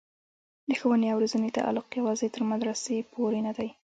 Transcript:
د ښوونې او روزنې تعلق یوازې تر مدرسې پورې نه دی.